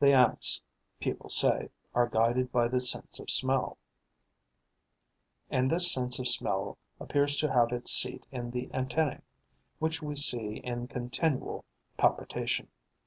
The Ants, people say, are guided by the sense of smell; and this sense of smell appears to have its seat in the antennae, which we see in continual palpitation.